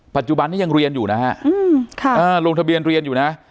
ปัจจุบันนี้ยังเรียนอยู่นะฮะลงทะเบียนเรียนอยู่นะ